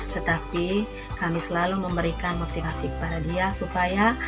tetapi kami selalu memberikan motivasi kepada dia supaya